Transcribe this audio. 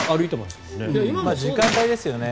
時間帯ですよね。